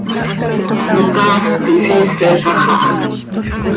Hitaast ihsiiselax aha.